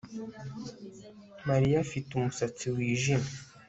Mariya afite umusatsi wijimye